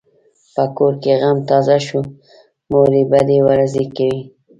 په کور کې غم تازه شو؛ مور یې بدې ورځې کوي.